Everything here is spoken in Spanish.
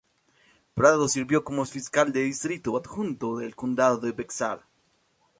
Prado sirvió como fiscal de distrito adjunto del Condado de Bexar.